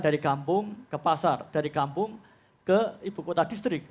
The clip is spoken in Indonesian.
dari kampung ke pasar dari kampung ke ibu kota distrik